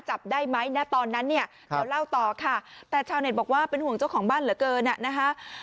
จับได้ไหมณตอนนั้นเนี่ยเดี๋ยวเล่าต่อค่ะแต่ชาวเน็ตบอกว่าเป็นห่วงเจ้าของบ้านเหลือเกินอ่ะนะคะ